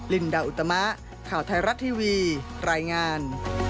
ลินดาอุตมะข่าวไทยรัฐทีวีรายงาน